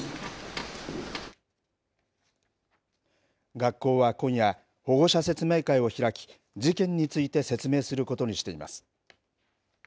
学校は今夜保護者説明会を開き事件について説明することにしています。